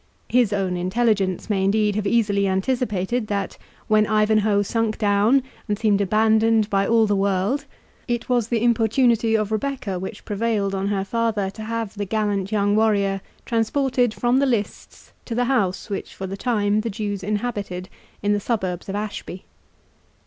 His own intelligence may indeed have easily anticipated that, when Ivanhoe sunk down, and seemed abandoned by all the world, it was the importunity of Rebecca which prevailed on her father to have the gallant young warrior transported from the lists to the house which for the time the Jews inhabited in the suburbs of Ashby.